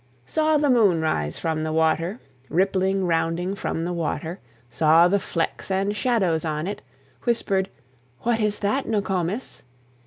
Saw the moon rise from the water Rippling, rounding from the water, Saw the flecks and shadows on it, Whispered, "What is that, Nokomis?"